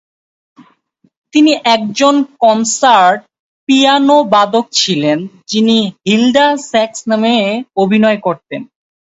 তিনি একজন কনসার্ট পিয়ানোবাদক ছিলেন, যিনি হিলডা স্যাক্স নামে অভিনয় করতেন।